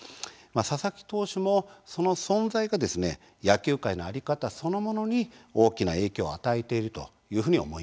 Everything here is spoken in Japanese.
佐々木投手もその存在がですね野球界の在り方そのものに大きな影響を与えているというふうに思います。